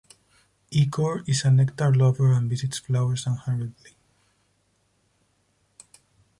"E. core" is a nectar lover and visits flowers unhurriedly.